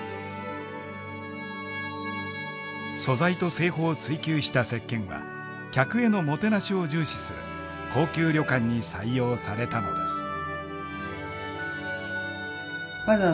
素材と製法を追求したせっけんは客へのもてなしを重視する高級旅館に採用されたのです。